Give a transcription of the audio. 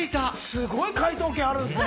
すごい解答権あるんですね。